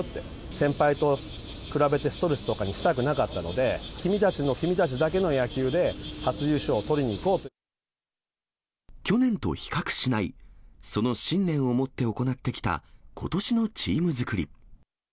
先輩と比べて、ストレスとかにしたくなかったので、君たちの、君たちだけの野球で、去年と比較しない、その信念を持って行ってきたことしのチーム作り。